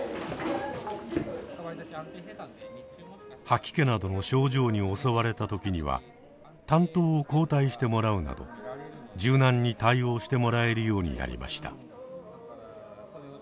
吐き気などの症状に襲われた時には担当を交代してもらうなど柔軟に対応してもらえるようになりました。